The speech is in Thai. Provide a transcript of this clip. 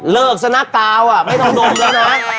เลิกสนากราวอะไม่ต้องนมเลยนะ